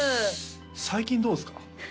最近どうですか？